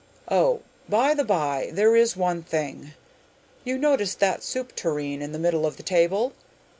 Oh, by the bye, there is one thing! You notice that soup tureen in the middle of the table?